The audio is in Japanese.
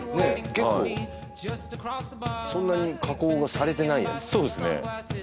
結構そんなに加工がされてないやつそうですね